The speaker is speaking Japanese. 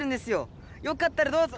よかったらどうぞ！